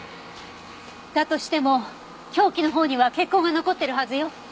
だとしても凶器のほうには血痕が残ってるはずよ。